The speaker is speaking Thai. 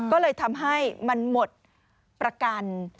ก็เลยทำให้มันหมดประกัน